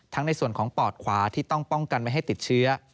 ในส่วนของปอดขวาที่ต้องป้องกันไม่ให้ติดเชื้อ